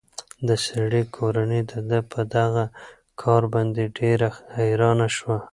د سړي کورنۍ د ده په دغه کار باندې ډېره حیرانه شوه.